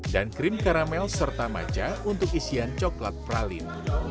dan krim karamel serta maca untuk isian coklat pralin